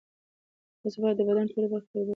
تاسو باید د بدن ټولو برخو ته اوبه ورسوي.